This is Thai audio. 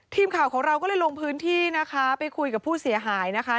ทีมข่าวของเราก็เลยลงพื้นที่นะคะไปคุยกับผู้เสียหายนะคะ